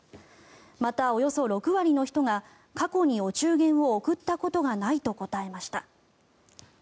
また、およそ６割の人が過去に、お中元を贈ったことがないと答えました。